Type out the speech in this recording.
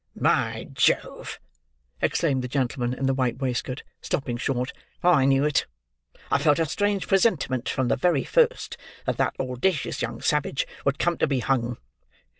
"By Jove!" exclaimed the gentleman in the white waistcoat, stopping short. "I knew it! I felt a strange presentiment from the very first, that that audacious young savage would come to be hung!"